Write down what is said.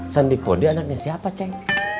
sandi kode anaknya siapa ceng